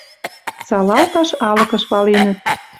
Салалташ алыкыш валенӹт.